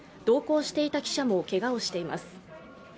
同行していた記者もけがをしています。